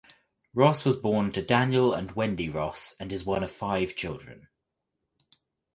Ross was born to Daniel and Wendy Ross and is one of five children.